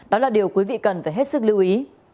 đó là điều quý vị cần phải hết sức lưu ý